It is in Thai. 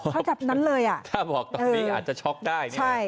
ข้าวจับนั้นเลยอาจจะช็อกได้